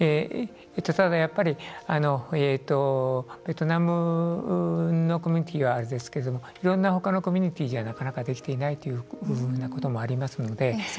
やっぱり、ベトナムのコミュニティーはですがいろんな他のコミュニティーじゃなかなかできていないという部分もありますので。